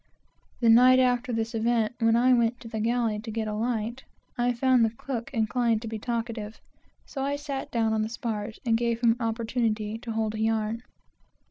The night after this event, when I went to the galley to get a light, I found the cook inclined to be talkative, so I sat down on the spars, and gave him an opportunity to hold a yarn.